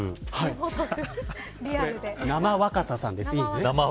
生若狭さんです。